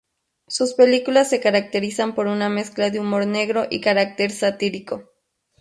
Sus películas se caracterizan por una mezcla de humor negro y carácter satírico.